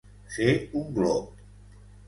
Fer un glop.